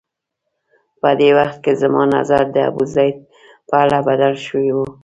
په دې وخت کې زما نظر د ابوزید په اړه بدل شوی و.